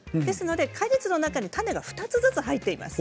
果実の中に２つずつ種が入っています。